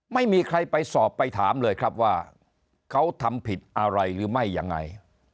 ไม่มีใครไปสอบไปถามเลยครับว่าเขาทำผิดอะไรหรือไม่ยังไง